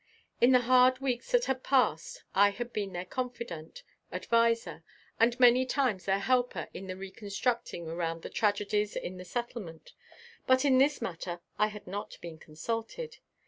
In the hard weeks that had passed I had been their confidant, adviser and many times their helper in the reconstructing around the tragedies in the Settlement, but in this matter I had not been consulted.